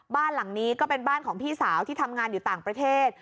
บ้านหลังนี้ก็เป็นบ้านของพี่สาวที่ทำงานอยู่ต่างประเทศ